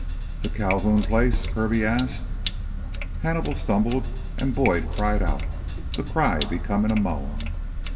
"The Calhoun place?" Kirby asked. Hannibal stumbled, and Boyd cried out, the cry becoming a moan.